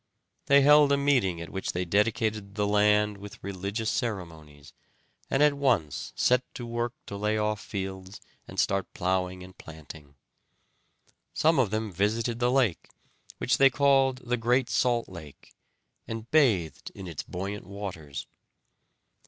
They held a meeting at which they dedicated the land with religious ceremonies, and at once set to work to lay off fields and start plowing and planting. Some of them visited the lake, which they called the Great Salt Lake, and bathed in its buoyant waters.